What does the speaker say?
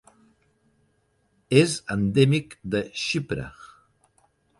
És endèmic de Xipre.